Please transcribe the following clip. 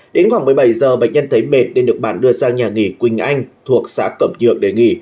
đến khoảng một mươi bảy giờ bệnh nhân thấy mệt nên được bạn đưa ra nhà nghỉ quỳnh anh thuộc xã cẩm nhượng để nghỉ